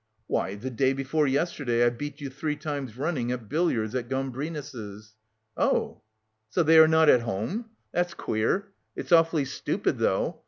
"Why! The day before yesterday I beat you three times running at billiards at Gambrinus'." "Oh!" "So they are not at home? That's queer. It's awfully stupid though.